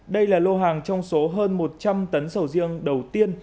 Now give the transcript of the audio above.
đây là lô hàng trong số hơn một trăm linh tấn sầu riêng đầu tiên